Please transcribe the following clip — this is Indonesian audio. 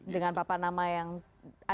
dengan apa nama yang ada di luar